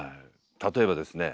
例えばですね